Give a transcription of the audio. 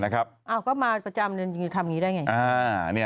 ก็มาประจำจริงทำงี้ได้ไง